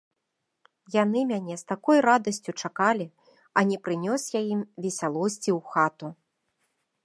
Яны мяне з такою радасцю чакалі, а не прынёс я ім весялосці ў хату.